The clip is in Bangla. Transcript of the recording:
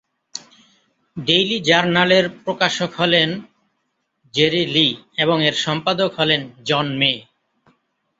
ডেইলি জার্নালের প্রকাশক হলেন জেরি লি এবং এর সম্পাদক হলেন জন মে।